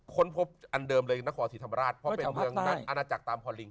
ค้นพบอันเดิมเลยนครศรีธรรมราชเพราะเป็นเมืองนักอาณาจักรตามพอลิง